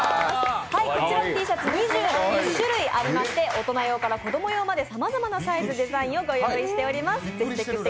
こちらのＴシャツ２１種類ありまして大人用から子供用までさまざまなサイズ、デザインをご用意しております。